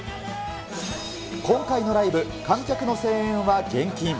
今回のライブ、観客の声援は厳禁。